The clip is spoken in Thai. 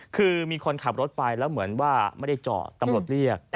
คือมีคนขับรถไปแล้วเหมือนว่าไม่ได้จอดตำรวจเรียก